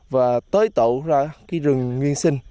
và tối tổ ra rừng nguyên sinh